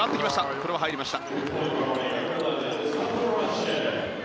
これは入りました。